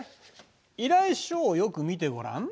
依頼書をよく見てごらん。